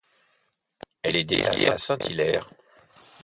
Elle est dédiée à saint Hilaire.